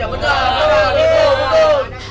iya betul betul betul